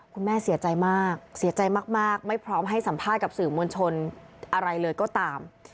คุณแม่เสียใจมากเสียใจมากไม่พร้อมให้สัมภาษณ์กับสื่อมวลชนอะไรเลยก็ตาม